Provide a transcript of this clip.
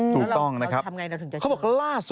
ถูกต้องนะครับ